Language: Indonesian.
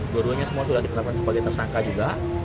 dua duanya semua sudah ditetapkan sebagai tersangka juga